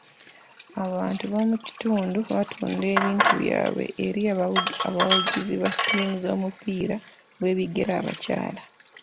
Abantu b'omu kitundu batunda ebintu byabwe eri abawagizi ba ttiimu z'omupiira gw'ebigere abakyala.